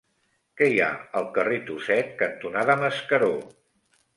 Què hi ha al carrer Tuset cantonada Mascaró?